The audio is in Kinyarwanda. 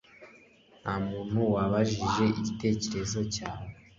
Ntamuntu wabajije igitekerezo cyawe